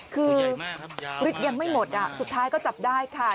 คือฤทธิ์ยังไม่หมดสุดท้ายก็จับได้ค่ะ